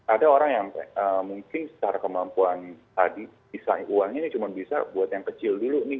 ada orang yang mungkin secara kemampuan tadi bisa uangnya ini cuma bisa buat yang kecil dulu nih